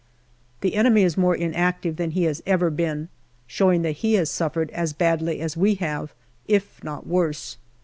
The enemy is more inactive than he has ever been, showing that he has suffered as badly as we have, if not worse.